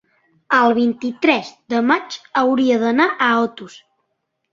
El vint-i-tres de maig hauria d'anar a Otos.